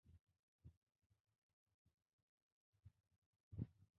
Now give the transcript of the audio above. ওটা ছিল আমার দেখা এ পর্যন্ত সত্যিকারের সাহসী কোনও কাজ!